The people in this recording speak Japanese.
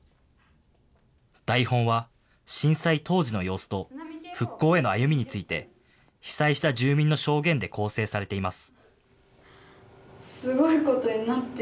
台本は、震災当時の様子と復興への歩みについて、被災した住民の証言で構成されています。